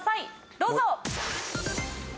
どうぞ！